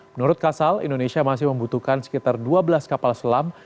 menurut kasal indonesia masih membutuhkan sekitar dua belas kapal selam